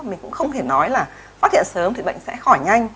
mình cũng không thể nói là phát hiện sớm thì bệnh sẽ khỏi nhanh